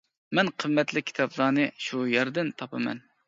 مەن قىممەتلىك كىتابلارنى شۇ يەردىن تاپىمەن.